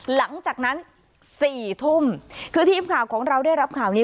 หลังจากนั้นสี่ทุ่มคือทีมข่าวของเราได้รับข่าวนี้